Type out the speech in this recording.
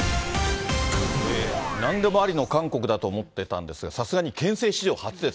なんでもありの韓国だと思ってたんですが、さすがに憲政史上初です。